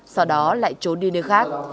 sau đó lại trốn đi nơi khác